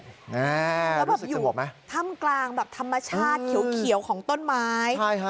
แล้วอยู่ท่ำกลางธรรมชาติเขียวของต้นไม้